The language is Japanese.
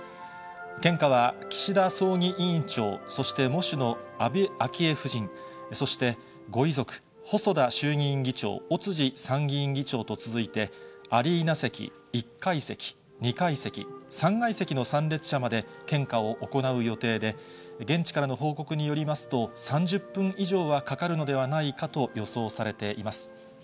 献花は岸田葬儀委員長、そして喪主の安倍昭恵夫人、そしてご遺族、細田衆議院議長、尾辻参議院議長と続いて、アリーナ席、１階席、２階席、３階席の参列者まで献花を行う予定で、現地からの報告によりますと、３０分以上はかかるのではないかと予想されています。